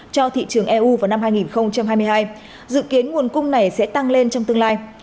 cho thị trường eu vào năm hai nghìn hai mươi hai dự kiến nguồn cung này sẽ tăng lên trong tương lai